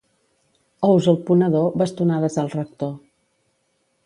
Ous al ponedor, bastonades al rector.